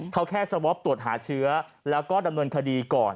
เขาแค่สวอปตรวจหาเชื้อแล้วก็ดำเนินคดีก่อน